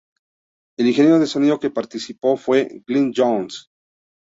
El ingeniero de sonido que participó fue Glyn Johns.